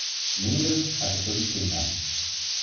Mingus hatte fünf Kinder.